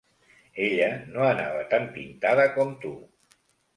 Ella no anava tan pintada com tu.